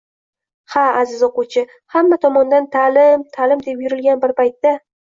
Ha, aziz o‘quvchi, hamma tomondan «ta’lim, ta’lim» deb turilgan bir paytda